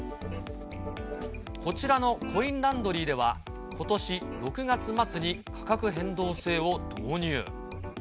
こちらのコインランドリーでは、ことし６月末に価格変動制を導入。